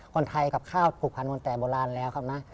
คนไทยกับข้าวผูกพันคนแต่โบราณแล้วครับนะ